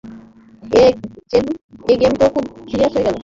এ game তো খুব serious হয়ে গেল।